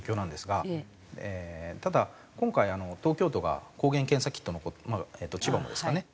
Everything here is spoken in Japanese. ただ今回東京都が抗原検査キットの千葉もですかね。